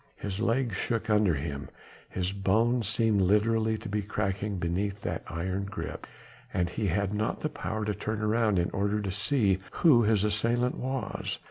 His legs shook under him, his bones seemed literally to be cracking beneath that iron grip, and he had not the power to turn round in order to see who his assailant was.